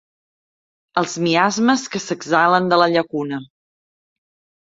Els miasmes que s'exhalen de la llacuna.